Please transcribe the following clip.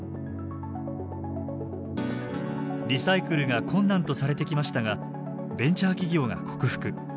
リサイクルが困難とされてきましたがベンチャー企業が克服。